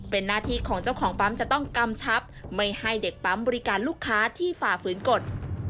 เป็นหน้าที่ของเจ้าของปั๊มจะต้องกำชับไม่ให้เด็กปั๊มบริการลูกค้าที่ฝ่าฝืนกฎ